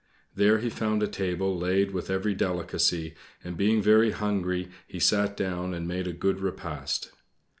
There he found a table laid with every delicacy, and, being very hungry, he sat down and made a good repast.